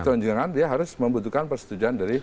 pertunjukan dia harus membutuhkan persetujuan dari